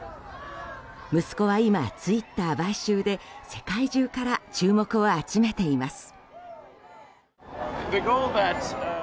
息子は今、ツイッター買収で世界中から注目を集めています。